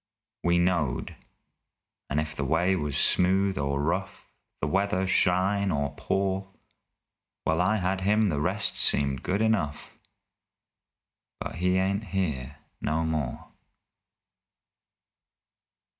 We knowed and if the way was smooth or rough, The weather shine or pour, While I had him the rest seemed good enough But he ain't here no more!